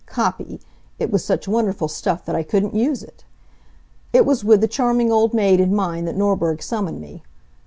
Copy! It was such wonderful stuff that I couldn't use it. It was with the charming old maid in mind that Norberg summoned me.